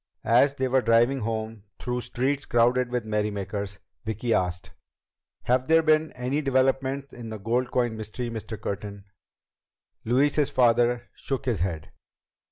As they were driving home through streets crowded with merrymakers, Vicki asked: "Have there been any developments in the gold coin mystery, Mr. Curtin?" Louise's father shook his head.